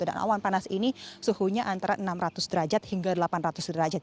dan awan panas ini suhunya antara enam ratus derajat hingga delapan ratus derajat